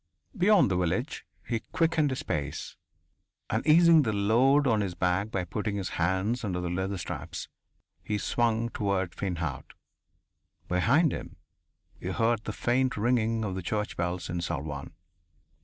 Beyond the village he quickened his pace, and easing the load on his back by putting his hands under the leather straps, he swung toward Finhaut. Behind him he heard the faint ringing of the church bells in Salvan.